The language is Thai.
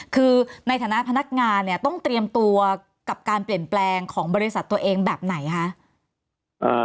คือในฐานะพนักงานเนี่ยต้องเตรียมตัวกับการเปลี่ยนแปลงของบริษัทตัวเองแบบไหนคะ